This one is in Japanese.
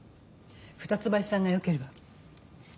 二ツ橋さんがよければ。